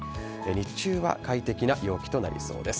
日中は快適な陽気となりそうです。